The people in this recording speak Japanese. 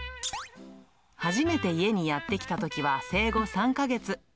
初めて家にやって来たときは生後３か月。